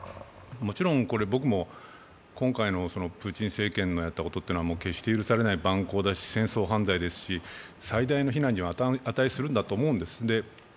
もちろん僕も今回のプーチン政権のやったことというのは、決して許されない蛮行だし戦争犯罪ですし最大の非難に値するんだと思うんです。